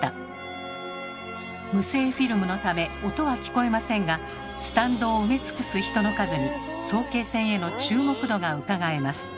無声フィルムのため音は聞こえませんがスタンドを埋め尽くす人の数に早慶戦への注目度がうかがえます。